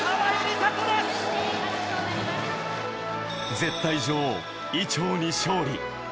絶対女王、伊調に勝利。